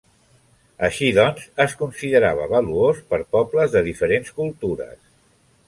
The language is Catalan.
Així doncs, es considerava valuós per pobles de diferents cultures.